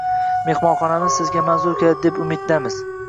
Mehmonxonamiz sizga manzur keladi deb umid qilamiz.